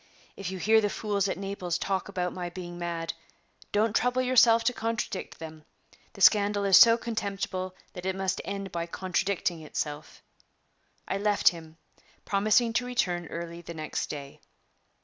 If you hear the fools at Naples talk about my being mad, don't trouble yourself to contradict them; the scandal is so contemptible that it must end by contradicting itself." I left him, promising to return early the next day.